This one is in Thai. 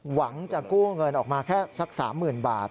หวังจะกู้เงินออกมาแค่สัก๓๐๐๐บาท